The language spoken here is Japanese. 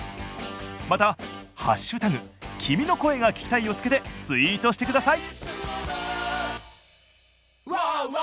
また「＃君の声が聴きたい」を付けてツイートしてください！